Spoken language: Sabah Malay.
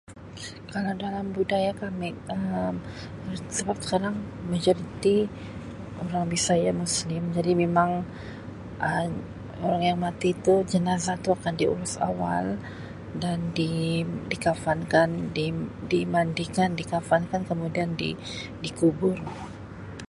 Kalau dalam budaya kami Um sebab sekarang majoriti orang Bisaya muslim jadi memang Um orang yang mati itu jenazah tu akan diurus awal dan di dikafan di-di mandikan di kafankan dan kemudian dikubur.